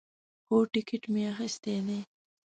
هو، ټیکټ می اخیستی دی